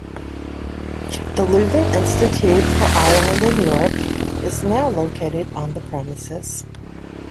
The Leuven Institute for Ireland in Europe is now located on the premises.